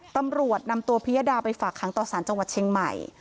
ตำรวจนำตัวพิยดาไปฝากขังต่อสารจังหวัดเชียงใหม่